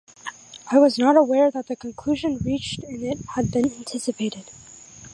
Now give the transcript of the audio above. I was not aware that the conclusion reached in it had been anticipated.